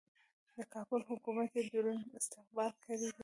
د کابل حکومت یې دروند استقبال کړی دی.